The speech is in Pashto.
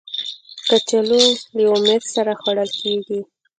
کچالو له امید سره خوړل کېږي